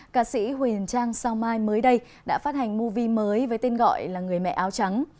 ca sĩ huỳnh trang sao mai mới đây đã phát hành movie mới với tên gọi là người mẹ áo trắng